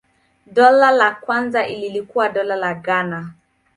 Dola la kwanza lilikuwa Dola la Ghana.